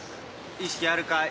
意識あるかい？